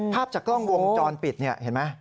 ภาพจากกล้องวงจรปิดเห็นมั้ย